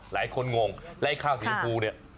หลายคนงงแล้วข้าวสีช้ำพู